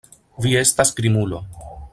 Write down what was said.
Vi estas krimulo.